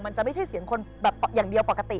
ไม่ใช่เสียงคนแบบอย่างเดียวปกติ